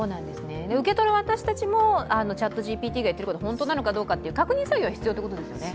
受け取る私たちもＣｈａｔＧＰＴが言ってることを本当なのかどうか確認作業が必要ということですよね。